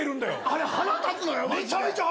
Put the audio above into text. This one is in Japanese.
あれ腹立つのよマジで！